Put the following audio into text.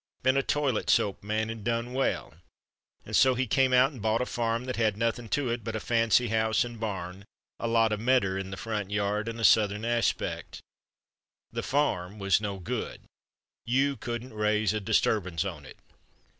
Been a toilet soap man and done well, and so he came out and bought a farm that had nothing to it but a fancy house and barn, a lot of medder in the front yard and a southern aspect. The farm was no good. You couldn't raise a disturbance on it.